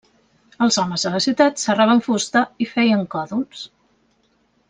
Els homes de la ciutat serraven fusta i feien còdols.